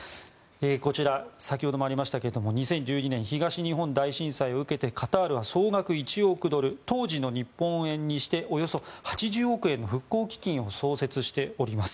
こちら、先ほどもありましたが２０１２年東日本大震災を受けましてカタールは総額１億ドル当時の日本円にしておよそ８０億円の復興基金を創設しております。